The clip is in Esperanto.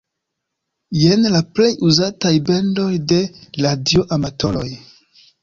Jen la plej uzataj bendoj de radioamatoroj.